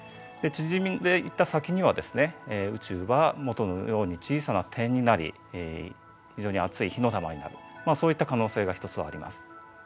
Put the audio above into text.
で縮んでいった先にはですね宇宙は元のように小さな点になり非常に熱い火の玉になるそういった可能性が一つはあります。